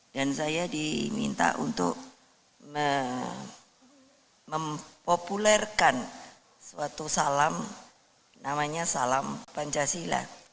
dan saya diminta untuk mempopulerkan suatu salam namanya salam pancasila